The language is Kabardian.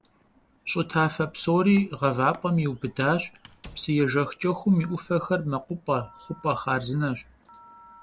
Щӏы тафэ псори гъавапӀэм иубыдащ, псыежэх КӀэхум и Ӏуфэхэр мэкъупӀэ, хъупӀэ хъарзынэщ.